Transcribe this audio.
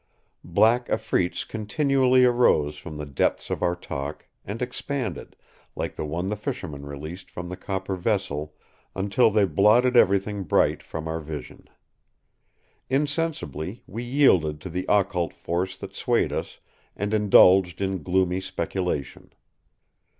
Black afreets continually arose from the depths of our talk, and expanded, like the one the fisherman released from the copper vessel, until they blotted everything bright from our vision. Insensibly, we yielded to the occult force that swayed us, and indulged in gloomy speculation.